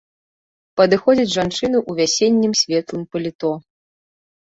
Падыходзіць жанчына ў вясеннім светлым паліто.